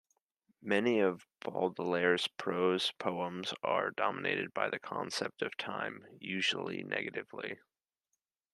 Many of Baudelaire's prose poems are dominated by the concept of time, usually negatively.